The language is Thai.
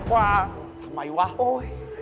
ทำไมวะโอ๊ย